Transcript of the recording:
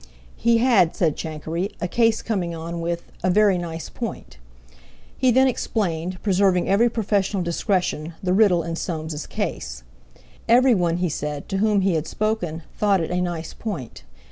He had, said Chankery, a case coming on with a "very nice point." He then explained, preserving every professional discretion, the riddle in Soames's case. Everyone, he said, to whom he had spoken, thought it a nice point.